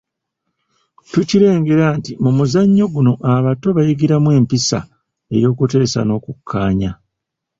Tukirengera nti mu muzannyo guno abato bayigiramu empisa ey’okuteesa n’okukkaanya.